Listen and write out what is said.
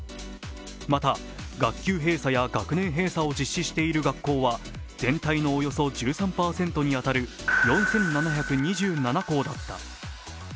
また学級閉鎖や学年閉鎖を実施している学校は全体のおよそ１３％に当たる４７２７校だった。